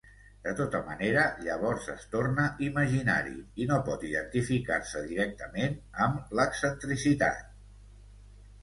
De tota manera, llavors es torna imaginari i no pot identificar-se directament amb l'excentricitat.